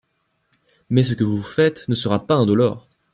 Mais ce que vous faites ne sera pas indolore.